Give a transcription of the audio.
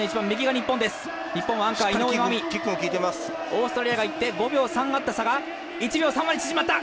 オーストラリアがいって５秒３あった差が１秒３まで縮まった！